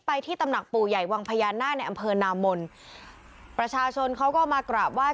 ที่ตำหนักปู่ใหญ่วังพญานาคในอำเภอนามนประชาชนเขาก็มากราบไห้